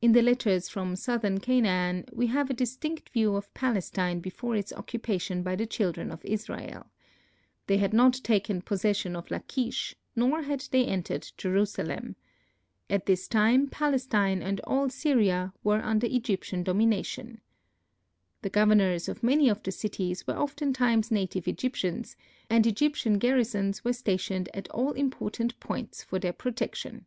In the letters from southern Canaan we have a distinct view of Palestine before its occupation by the Children of Israel. They had not taken possession of Lachish, nor had they entered Jerusalem. At this time Palestine and all Syria were under Egyptian domination. The governors of many of the cities were often times native Egyptians, and Egyptian garrisons were stationed at all important points for their protection.